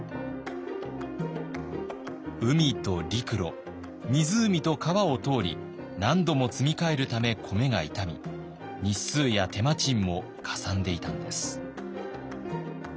海と陸路湖と川を通り何度も積み替えるため米が傷み日数や手間賃もかさんでいたのです。